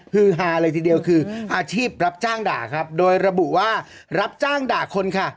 ฮือฮาเลยทีเดียวคืออาชีพรับจ้างด่าครับโดยระบุว่ารับจ้างด่าคนค่ะ